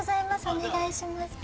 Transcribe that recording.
お願いします。